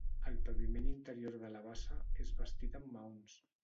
El paviment interior de la bassa és bastit en maons.